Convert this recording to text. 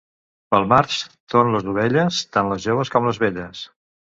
Pel març ton les ovelles, tant les joves com les velles.